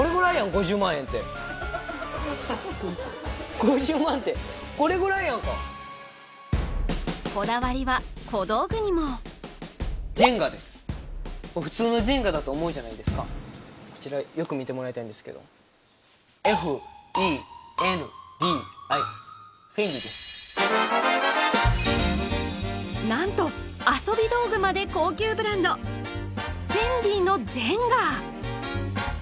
５０万円って５０万ってこれぐらいやんかこだわりは小道具にも普通のジェンガだと思うじゃないですかこちらよく見てもらいたいんですけどフェンディです何と遊び道具まで高級ブランドのと一緒ですよ